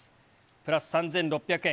プラス３６００円